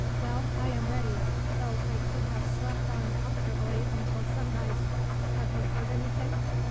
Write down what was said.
Well, I am ready, though I could have slept on comfortably until sunrise. Have you heard anything?"